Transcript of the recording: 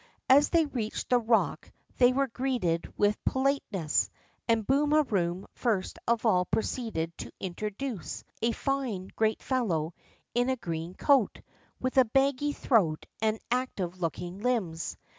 As they reached the rock they were greeted with politeness, and Booni a Room first of all proceeded to introduce a fine great fellow in a green coat, with a baggy throat and active looking limbs.